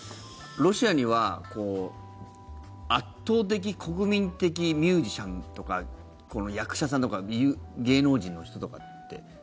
ロシアには圧倒的国民的ミュージシャンとか役者さんとか芸能人の人とかって。